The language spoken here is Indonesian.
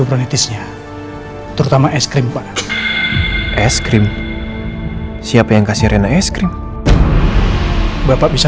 bronetisnya terutama es krim pak es krim siapa yang kasih rena es krim bapak bisa